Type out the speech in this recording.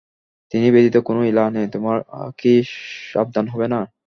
তিনি ব্যতীত কোন ইলাহ নেই, তোমরা কি সাবধান হবে না?